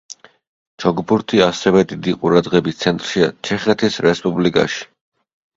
ჩოგბურთი ასევე დიდი ყურადღების ცენტრშია ჩეხეთის რესპუბლიკაში.